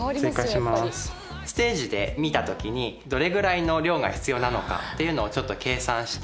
ステージで見た時にどれぐらいの量が必要なのかっていうのをちょっと計算して。